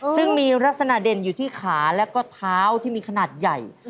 ซึ่งมีลักษณะเด่นอยู่ที่ขาแล้วก็เท้าที่มีขนาดใหญ่